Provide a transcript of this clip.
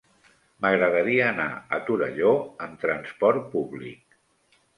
M'agradaria anar a Torelló amb trasport públic.